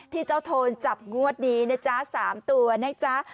เจ้าโทนจับงวดนี้นะจ๊ะ๓ตัวนะจ๊ะ